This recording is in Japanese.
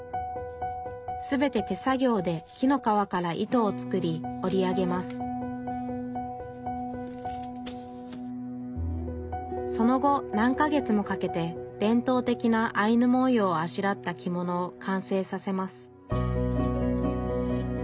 全て手作業で木の皮から糸を作り織り上げますその後何か月もかけて伝統的なアイヌ文様をあしらった着物を完成させます